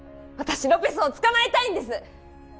私ロペスを捕まえたいんです！